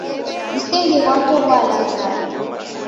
Msigi ghwapo ghwalaghaya